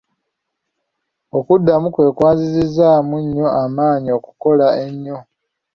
Okuddamu kwe kwanzizizzaamu nnyo amaanyi okukola ennyo.